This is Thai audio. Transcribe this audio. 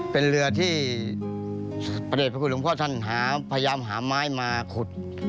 เป็นเรือที่พระเด็จพระคุณหลวงพ่อท่านพยายามหาไม้มาขุด